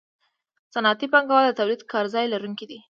صنعتي پانګوال د تولیدي کارځای لرونکي دي